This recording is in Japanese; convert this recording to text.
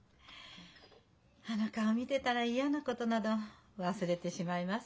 あの顔見てたら嫌なことなど忘れてしまいます